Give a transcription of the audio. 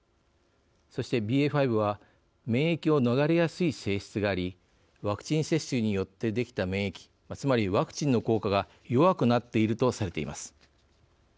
そしてＢＡ．５は免疫を逃れやすい性質がありワクチン接種によってできた免疫つまりワクチンの効果が弱くなっているとされています。